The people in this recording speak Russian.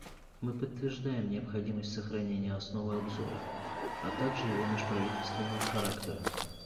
Мы подтверждаем необходимость сохранения основы обзора, а также его межправительственного характера.